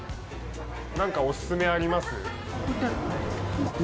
なんかお勧めあります？